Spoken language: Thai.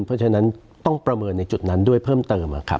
เพราะฉะนั้นต้องประเมินในจุดนั้นด้วยเพิ่มเติม